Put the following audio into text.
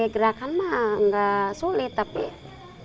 gerakan mah nggak sulit tapi